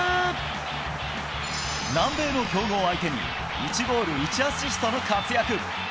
南米の強豪相手に、１ゴール１アシストの活躍。